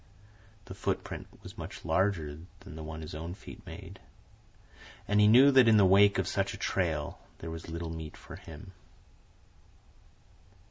The footprint was much larger than the one his own feet made, and he knew that in the wake of such a trail there was little meat for him.